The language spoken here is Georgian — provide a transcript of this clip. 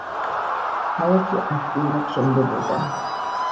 ქალაქი აქტიურად შენდებოდა.